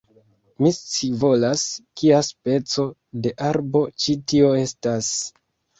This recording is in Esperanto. Mi scivolas, kia speco de arbo, ĉi tio estas